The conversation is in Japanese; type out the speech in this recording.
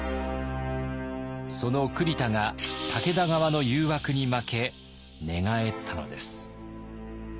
その栗田が武田側の誘惑に負け寝返ったのです。